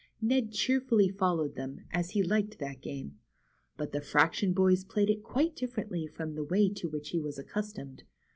Ned cheerfully followed them, as he liked that game. But the fraction boys played it quite differently from the way to which he was ac customed.